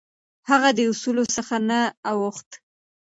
هغه د اصولو څخه نه اوښت.